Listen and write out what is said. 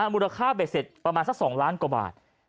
มูลค่าเบ็ดเสร็จประมาณสัก๒ล้านกว่าบาท